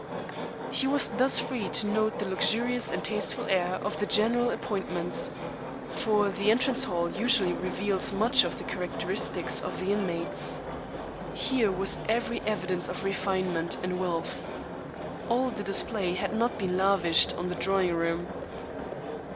He was thus free to note the luxurious and tasteful air of the general appointments, for the entrance hall usually reveals much of the characteristics of the inmates. Here was every evidence of refinement and wealth. All the display had not been lavished on the drawing room.